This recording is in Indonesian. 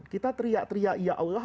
kita teriak teriak ya allah